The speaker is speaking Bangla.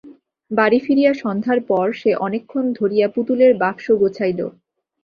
বাড়ি ফিরিয়া সন্ধ্যার পর সে অনেকক্ষণ ধরিয়া পুতুলের বাক্স গোছাইল।